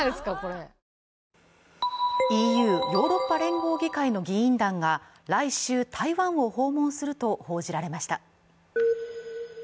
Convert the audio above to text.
ＥＵ＝ヨーロッパ連合議会の議員団が来週、台湾を訪問すると報じられました。